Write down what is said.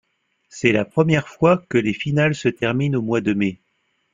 C'est la première fois que les finales se terminent au mois de mai.